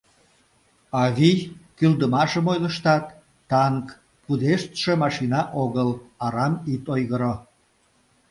— Авий, кӱлдымашым ойлыштат, танк пудештше машина огыл, арам ит ойгыро.